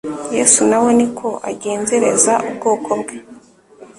Yesu na we ni ko agenzereza ubwoko bwe.